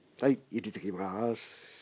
入れていきます。